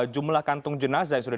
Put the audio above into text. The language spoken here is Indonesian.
jumlah kantung jenazah yang sudah